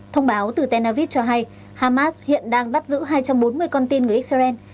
thông báo từ tenavis cho hay hamas hiện đang bắt giữ hai trăm bốn mươi con tin người israel